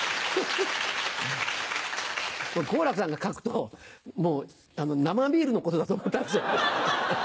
好楽さんが書くと生ビールのことだと思ったんですよ。